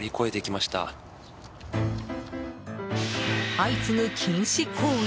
相次ぐ禁止行為。